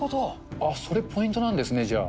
あっ、それポイントなんですね、じゃあ。